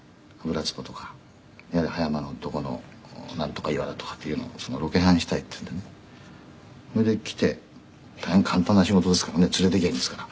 油壺とかいわゆる葉山のとこのナントカ岩だとかっていうのをロケハンしたいっていうのでねそれで来て大変簡単な仕事ですからね連れていきゃいいんですから」